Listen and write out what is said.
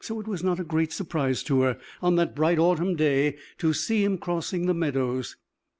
It was not a great surprise to her, on that bright autumn day, to see him crossing the meadows.